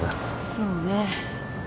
そうね。